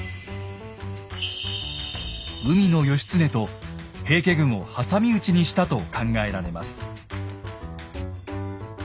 海の義経と平家軍を挟み撃ちにしたと考えられます。